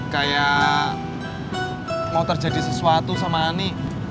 kayak mau terjadi sesuatu sama ani